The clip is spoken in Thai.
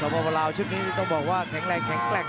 อันวัดเบียดเข้ามาอันวัดโดนชวนแรกแล้ววางแค่ขวาแล้วเสียบด้วยเขาซ้าย